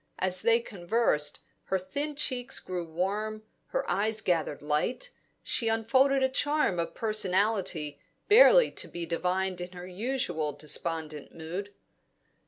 As they conversed, her thin cheeks grew warm, her eyes gathered light; she unfolded a charm of personality barely to be divined in her usual despondent mood.